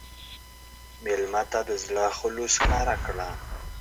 مېلمه ته د زړه خلوص ښکاره کړه.